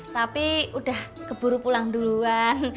tapi udah keburu pulang duluan